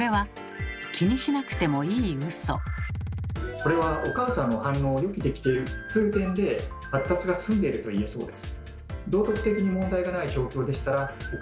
これはお母さんの反応を予期できているという点で発達が進んでいるといえそうです。